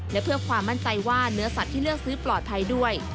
และเพื่อความมั่นใจว่าเนื้อสัตว์ที่เลือกซื้อปลอดภัยด้วย